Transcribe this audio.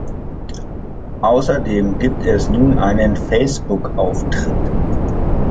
Außerdem gibt es nun einen Facebook-Auftritt.